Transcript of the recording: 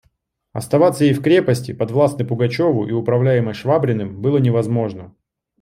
Оставаться ей в крепости, подвластной Пугачеву и управляемой Швабриным, было невозможно.